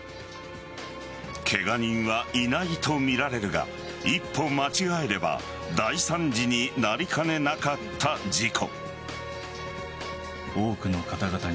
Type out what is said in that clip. ケガ人はいないとみられるが一歩間違えれば大惨事になりかねなかった事故。